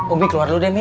umi keluar dulu deh mi